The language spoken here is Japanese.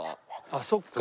あっそうか。